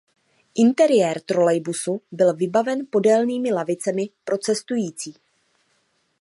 Interiér trolejbusu byl vybaven podélnými lavicemi pro cestující.